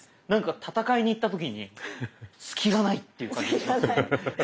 なんか戦いに行った時に隙がないっていう感じ。